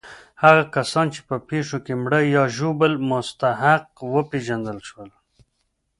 هغه کسان چې په پېښو کې مړه یا ژوبلېدل مستحق وپېژندل شول.